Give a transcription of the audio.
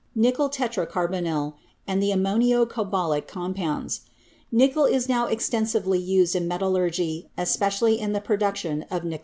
nickel tetra carbonyl and the ammonio cobaltic com pounds. Nickel is now extensively used in metallurgy, especially in the production of nickel steel.